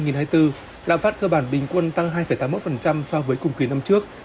giá cơ bản bình quân tăng hai tám mươi một so với cùng kỳ năm trước